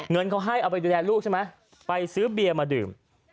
เงินเขาให้เอาไปดูแลลูกใช่ไหมไปซื้อเบียร์มาดื่ม